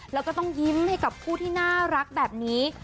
แล้วก็ต้องยิ้มให้กับผู้ที่น่ารักแบบนี้